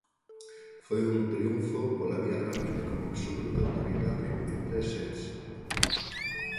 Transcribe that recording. Foi un triunfo pola vía rápida e con absoluta autoridade en tres sets.